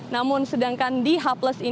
namun sedangkan di h dua